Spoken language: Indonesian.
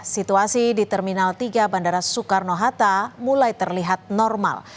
situasi di terminal tiga bandara soekarno hatta mulai terlihat normal